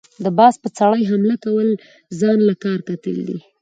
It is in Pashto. د باز په څاړي حمله كول ځان له کار کتل دي۔